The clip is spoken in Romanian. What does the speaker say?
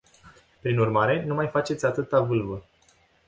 Prin urmare, nu mai faceți atâta vâlvă.